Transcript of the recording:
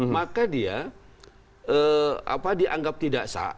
maka dia dianggap tidak sah